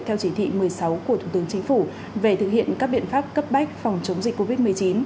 theo chỉ thị một mươi sáu của thủ tướng chính phủ về thực hiện các biện pháp cấp bách phòng chống dịch covid một mươi chín